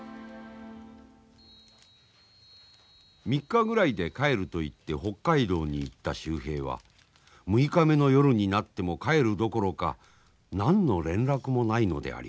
３日ぐらいで帰ると言って北海道に行った秀平は６日目の夜になっても帰るどころか何の連絡もないのであります。